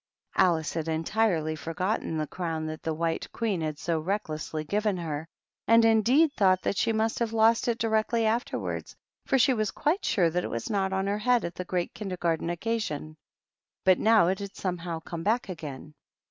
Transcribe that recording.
Alice had entirely forgotten the crown that the White Queen had so recklessly given her, and indeed thought that she must have lost it directly afterwards, for she was quite sure that it was not on her head at the great Kindergarten Occasion. But now it had somehow come back again.